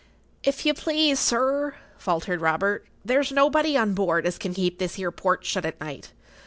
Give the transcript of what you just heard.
"If you please, sir," faltered Robert, "there's nobody on board as can keep this 'ere port shut at night.